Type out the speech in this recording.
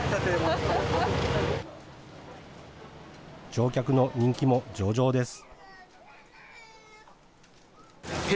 乗客の人気も上々です。